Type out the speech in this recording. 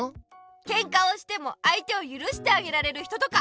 ケンカをしてもあいてをゆるしてあげられる人とか。